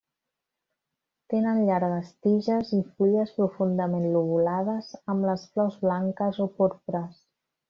Tenen llargues tiges i fulles profundament lobulades amb les flors blanques o porpres.